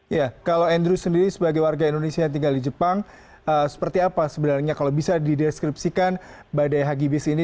ya kalau andrew sendiri sebagai warga indonesia yang tinggal di jepang seperti apa sebenarnya kalau bisa dideskripsikan badai hagi bis ini